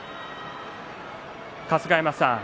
春日山さん